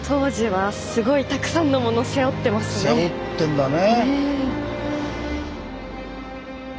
背負ってんだね。